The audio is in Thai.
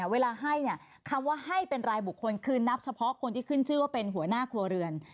เวลาให้เนี่ยคำว่าให้เป็นรายบุคคลคือนับเฉพาะคนที่ขึ้นชื่อว่าเป็นหัวหน้าครัวเรือน